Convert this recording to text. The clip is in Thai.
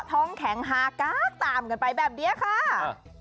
ท้องแข็งฮากากตามกันไปแบบนี้ค่ะ